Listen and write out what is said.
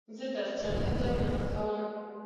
زه چټل ځای نه خوښوم.